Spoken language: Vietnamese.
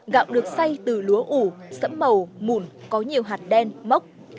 gạo được xay từ lúa ủ sẫm màu mùn có nhiều hạt đen mốc